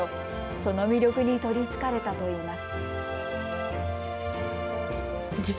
その魅力に取りつかれたといいます。